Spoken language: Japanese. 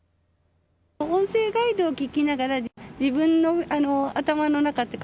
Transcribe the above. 音声ガイドを聞きながら、自分の頭の中っていうか、